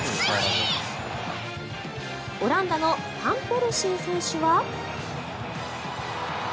オランダのファン・ペルシー選手は。